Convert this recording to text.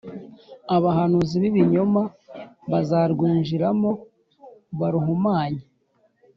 Abahanuzi bibinyoma bazarwinjiramo baruhumanye.